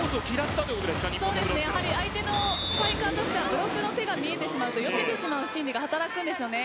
やはり相手のスパイカーとしては相手の手が見えてしまうとよけてしまう心理が働くんですよね。